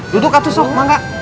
duduk kak tukang kak